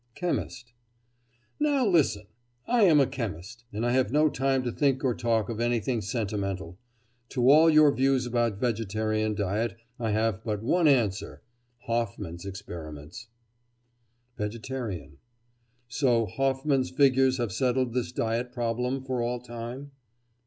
CHEMIST: Now listen! I am a chemist, and I have no time to think or talk of anything sentimental. To all your views about vegetarian diet I have but one answer—"Hofmann's experiments." VEGETARIAN: So Hofmann's figures have settled this diet problem for all time?